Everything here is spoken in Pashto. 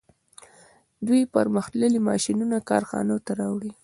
دوی پرمختللي ماشینونه کارخانو ته راوړي